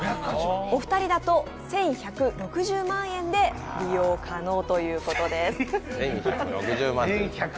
お二人だと１１６０万円で利用可能ということです。